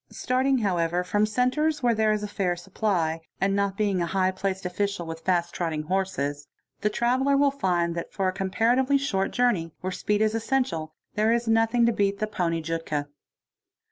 | Starting, however, from centres where there is a fair supply,—and ; being a high placed official with fast trotting horses,—the traveller : ll find that for a comparatively short journey, where speed is essential, here is nothing to beat the poney jutka.